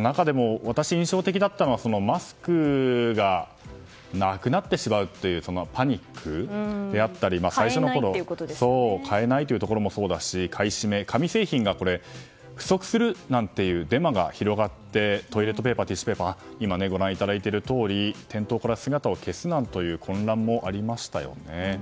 中でも私が印象的だったのがマスクがなくなってしまうというパニックであったり買えないというところもそうだし買い占め、紙製品が不足するなんていうデマが広がってトイレットペーパーティッシュペーパーが店頭から姿を消すなどという混乱もありましたね。